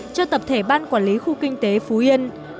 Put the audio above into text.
cho tập thể ban quản lý khu kinh tế phú yên